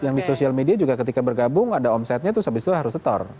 yang di sosial media juga ketika bergabung ada omsetnya terus habis itu harus setor